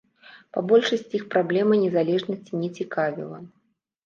Па большасці іх праблема незалежнасці не цікавіла.